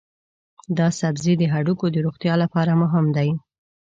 دا سبزی د هډوکو د روغتیا لپاره مهم دی.